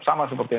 sama seperti yang